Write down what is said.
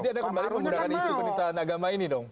jadi anda kembali menggunakan isu penista agama ini dong